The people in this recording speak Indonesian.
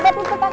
terima kasih pak